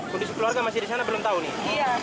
kondisi keluarga masih di sana belum tahu nih